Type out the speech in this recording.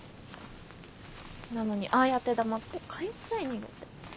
なのにああやって黙って会話さえ逃げて。